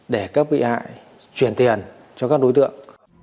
để các bị hại chuyển tiền cho các đối tượng